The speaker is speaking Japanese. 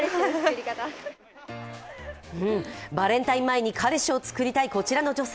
バレンタイン前に彼氏をつくりたいこらちの女性。